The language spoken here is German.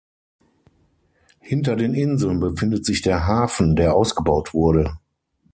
Hinter den Inseln befindet sich der Hafen, der ausgebaut wurde.